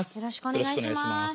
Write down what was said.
よろしくお願いします。